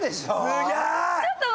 すげえ！